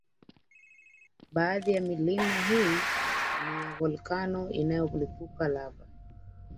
Baadhi ya milima hii ni ya volkano inayolipuka lava